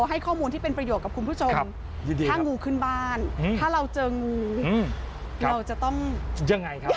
ให้ข้อมูลที่เป็นประโยชน์กับคุณผู้ชมถ้างูขึ้นบ้านถ้าเราเจองูเราจะต้องยังไงครับ